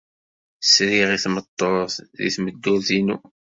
Sriɣ i tmeṭṭut deg tmeddurt-inu.